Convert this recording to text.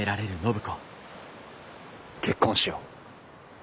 結婚しよう。